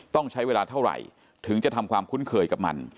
ต้องใช้เวลาเท่าไหร่ถึงจะทำความคุ้นเคยกับมัน